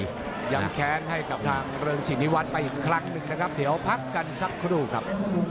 ย้ำแค้นให้กับทางเริงสินิวัฒน์ไปอีกครั้งหนึ่งนะครับเดี๋ยวพักกันสักครู่ครับ